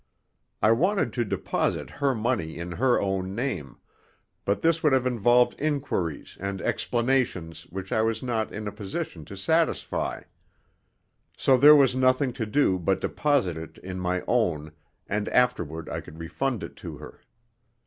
I wanted to deposit her money in her own name, but this would have involved inquiries and explanations which I was not in a position to satisfy. So there was nothing to do but deposit it in my own, and afterward I could refund it to her.